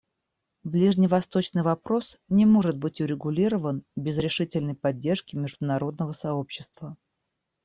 Ближневосточный вопрос не может быть урегулирован без решительной поддержки международного сообщества.